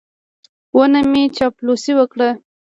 او نه مې چاپلوسي وکړه.